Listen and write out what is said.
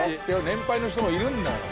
年配の人もいるんだから。